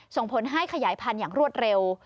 ส่งผลให้ขยายพันธุ์อย่างรวดเร็ว